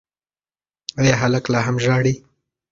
ایا هلک لا هم ژاړي؟